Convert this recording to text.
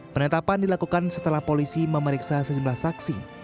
penetapan dilakukan setelah polisi memeriksa sejumlah saksi